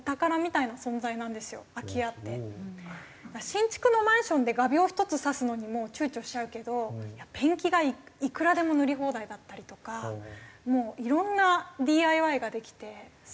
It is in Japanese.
新築のマンションで画びょう１つ刺すのにも躊躇しちゃうけどペンキがいくらでも塗り放題だったりとかもういろんなＤＩＹができてすごく楽しいんですよね。